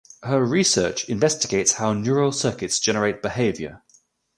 Her research investigates how neural circuits generate behaviour.